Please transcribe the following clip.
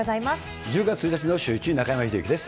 １０月１日のシューイチ、中山秀征です。